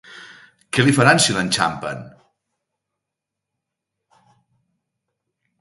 ¿Què li faran, si l'enxampen?